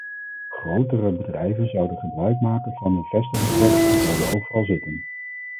Grotere bedrijven zouden gebruik maken van hun vestigingsrecht en zouden overal zitten.